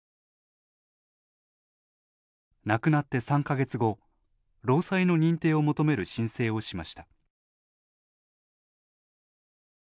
亡くなって３か月後、労災の認定を求める申請をしました。